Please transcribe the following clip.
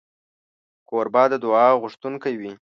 کوربه د دعا غوښتونکی وي.